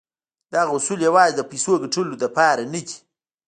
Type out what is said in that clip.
دغه اصول يوازې د پيسو ګټلو لپاره نه دي.